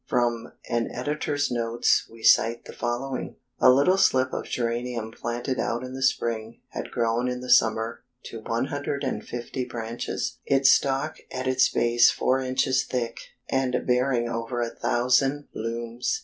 From an editor's notes we cite the following: "A little slip of geranium planted out in the spring, had grown in the summer to 150 branches, its stalk at its base four inches thick, and bearing over a thousand blooms!